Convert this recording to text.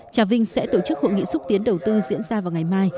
trà vinh sẽ tổ chức hội nghị xúc tiến đầu tư diễn ra vào ngày mai